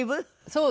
そう。